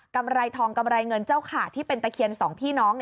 ไรทองกำไรเงินเจ้าขาดที่เป็นตะเคียนสองพี่น้อง